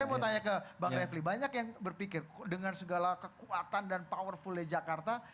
saya mau tanya ke bang refli banyak yang berpikir dengan segala kekuatan dan powerfulnya jakarta